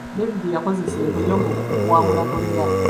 David yakozesa nkonyogo okuwangula Goliath.